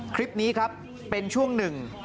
คลิปนี้ครับเป็นช่วงหนึ่ง